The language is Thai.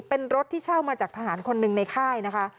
เป็นรถที่เช่ามาจากทหารคนหนึ่งในค่ายนะคะ